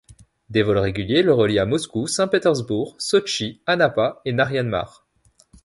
Des vols réguliers le relient à Moscou, Saint-Pétersbourg, Sotchi, Anapa et Narian-Mar.